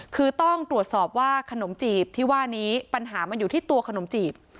คือต้องตรวจสอบว่าขนมจีบที่ว่านี้ปัญหามันอยู่ที่ตัวขนมจีบ